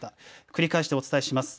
繰り返してお伝えします。